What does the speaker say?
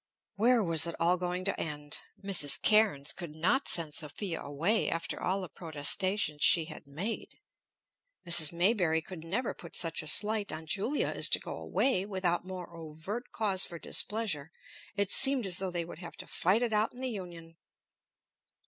Where was it all going to end? Mrs. Cairnes could not send Sophia away after all the protestations she had made. Mrs. Maybury could never put such a slight on Julia as to go away without more overt cause for displeasure. It seemed as though they would have to fight it out in the union.